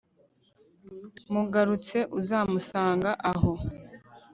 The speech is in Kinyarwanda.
mugarutse uzamusanga aho